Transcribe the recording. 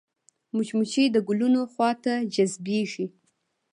مچمچۍ د ګلونو خوا ته جذبېږي